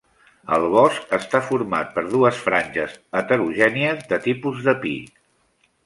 El bosc està format per dues franges heterogènies de tipus de pi.